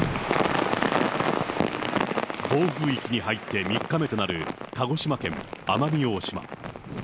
暴風域に入って３日目となる、鹿児島県奄美大島。